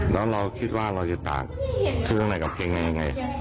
แล้วเราคิดว่าเราจะตากถึงอะไรกับเค้งนี้ยังไง